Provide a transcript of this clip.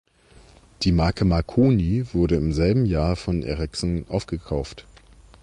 Die Marke "Marconi" wurde im selben Jahr von Ericsson aufgekauft.